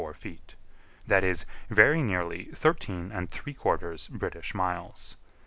that is, very nearly thirteen and three quarters British miles.